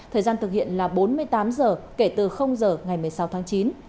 thời gian thực hiện là bốn mươi tám h kể từ h ngày một mươi sáu tháng chín